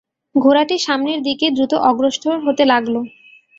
ঘোড়াটি সামনের দিকে দ্রুত অগ্রসর হতে লাগল।